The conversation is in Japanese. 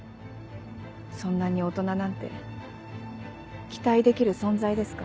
そんなに大人なんて期待できる存在ですか？